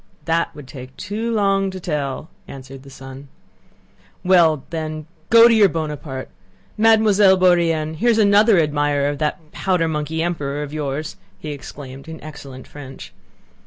"That would take too long to tell," answered the son. "Well, then go off to your Buonaparte! Mademoiselle Bourienne, here's another admirer of that powder monkey emperor of yours," he exclaimed in excellent French.